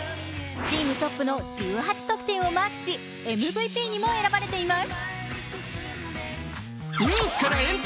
チームトップの１８得点をマークし、ＭＶＰにも選ばれています。